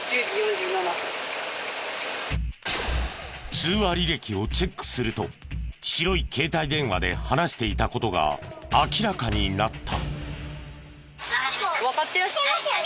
通話履歴をチェックすると白い携帯電話で話していた事が明らかになった。